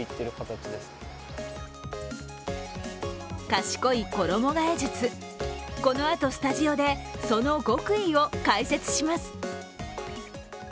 賢い衣がえ術、このあとスタジオでその極意を解説します。